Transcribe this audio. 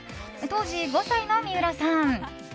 当時５歳の三浦さん。